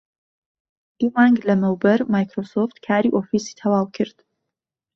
دوو مانگ لەمەوبەر مایکرۆسۆفت کاری ئۆفیسی تەواو کرد